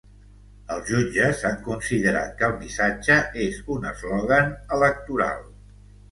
Els jutges han considerat que el missatge és un eslògan electoral.